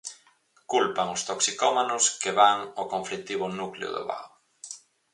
Culpan os toxicómanos que van ao conflitivo núcleo do Vao.